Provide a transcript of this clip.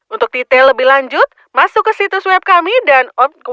untuk detail lebih lanjut masuk ke situs web kami dan